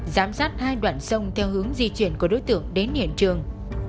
giám sát hai đoạn sông theo hướng di chuyển của đối tượng đến hiện trường